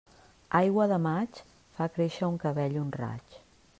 Aigua de maig, fa créixer el cabell un raig.